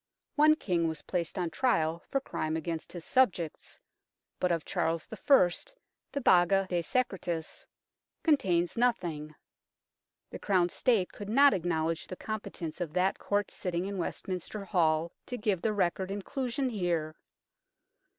One King was placed on trial for crime against his subjects, but of Charles I. the Baga de Secretis contains nothing ; the crowned State could not acknowledge the competence of that Court sitting in Westminster Hall to give the record inclusion here.